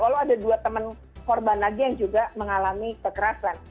walau ada dua teman korban lagi yang juga mengalami kekerasan